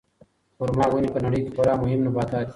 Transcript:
خورما ونې په نړۍ کې خورا مهم نباتات دي.